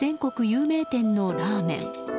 有名店のラーメン。